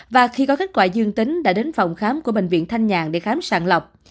và khi có kết quả dương tính đã đến phòng khám của bệnh viện thanh nhàn để khám sàng lọc